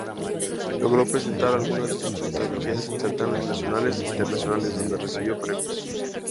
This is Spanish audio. Logró presentar algunas de sus fotografías en certámenes nacionales e internacionales, donde recibió premios.